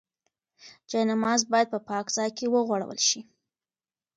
جاینماز باید په پاک ځای کې وغوړول شي.